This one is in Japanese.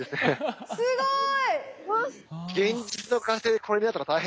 すごい。